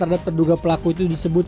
terhadap terduga pelaku itu disebut